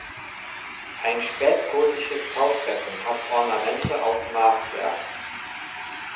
Ein spätgotisches Taufbecken hat Ornamente aus Maßwerk.